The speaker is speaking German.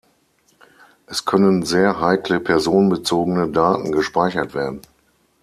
Es können sehr heikle personenbezogene Daten gespeichert werden.